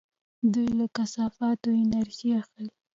دوی له کثافاتو انرژي اخلي.